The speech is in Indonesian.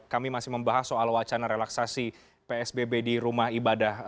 kami masih membahas soal wacana relaksasi psbb di rumah ibadah